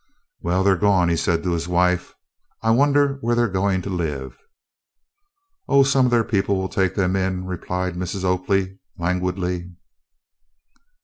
"Well, they 're gone," he said to his wife. "I wonder where they 're going to live?" "Oh, some of their people will take them in," replied Mrs. Oakley languidly.